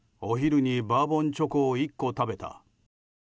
お昼にバーボンチョコを１個食べた。